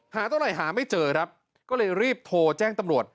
เท่าไหร่หาไม่เจอครับก็เลยรีบโทรแจ้งตำรวจ